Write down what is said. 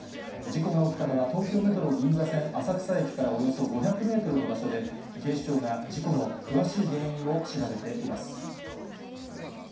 事故が起きたのは東京メトロ銀座線浅草駅からおよそ５００メートルの場所で、警視庁が事故の詳しい原因を調べています。